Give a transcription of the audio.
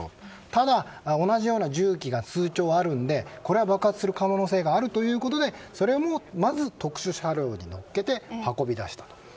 ただ、同じような銃器が数丁あるのでこれは爆発する可能性があるということでそれをまず特殊車両に載せて運び出した。